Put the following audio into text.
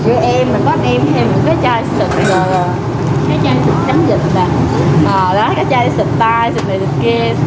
giờ em mình có anh em thêm một cái chai xịt cái chai xịt trắng dịch cái chai xịt tai xịt này xịt kia